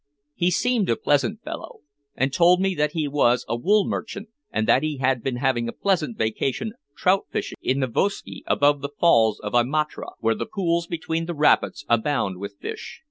He seemed a pleasant fellow, and told me that he was a wool merchant, and that he had been having a pleasant vacation trout fishing in the Vuoski above the falls of the Imatra, where the pools between the rapids abound with fish.